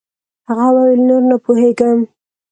هغه وويل نور نه پوهېږم.